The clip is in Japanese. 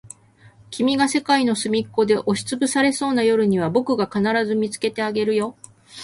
君が世界のすみっこで押しつぶされそうな夜には、僕が必ず見つけてあげるよ。